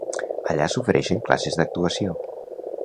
Allà s'oferixen classes d'actuació.